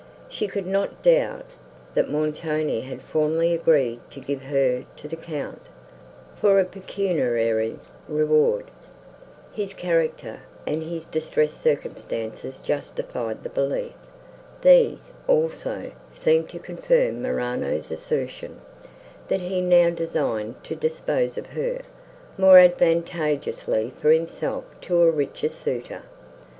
She could not doubt, that Montoni had formerly agreed to give her to the Count, for a pecuniary reward;—his character, and his distressed circumstances justified the belief; these, also, seemed to confirm Morano's assertion, that he now designed to dispose of her, more advantageously for himself, to a richer suitor.